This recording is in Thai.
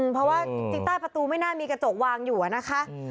เพราะว่าจริงใต้ประตูไม่น่ามีกระจกวางอยู่นะคะ